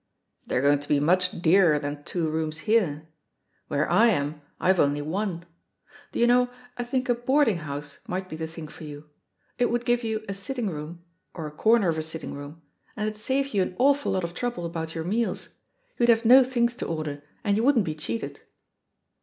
"They're going to be much dearer than two rooms here. Where I am, IVe only one. Do you know, I think a boarding house might be the thing for you. It would give you a sitting room a corner of a sitting room — and it'd save {THE POSITION OF PEGGY HARPER 187 you an awful lot of trouble about your meals; you'd have no things to order and you wouldn't be cheated."